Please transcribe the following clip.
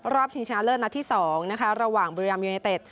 รอบชิงชาญเลิศนัดที่สองนะคะระหว่างบริยามยูนิเตต